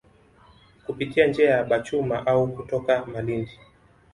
Kupitia njia ya Bachuma au kutoka Malindi